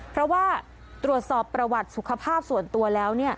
เพราะว่าตรวจสอบประวัติสุขภาพส่วนตัวแล้ว